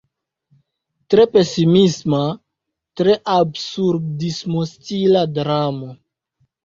Tre pesimisma, tre absurdismo-stila dramo.